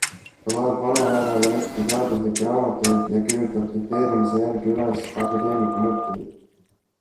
Ta loeb vanahärrale ette teaduslikke raamatuid ja kirjutab dikteerimise järgi üles akadeemiku mõtteid.